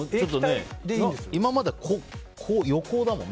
今までは横だもんね。